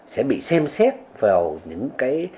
sẽ bị xem xét vào những cái